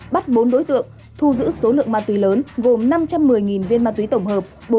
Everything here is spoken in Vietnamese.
bắt bốn đối tượng thu giữ số lượng ma túy lớn gồm năm trăm một mươi viên ma túy tổng hợp